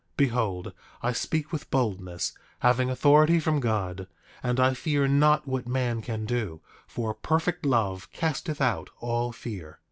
Behold, I speak with boldness, having authority from God; and I fear not what man can do; for perfect love casteth out all fear.